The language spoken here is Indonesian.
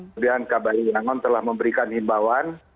kemudian kbri yangon telah memberikan himbauan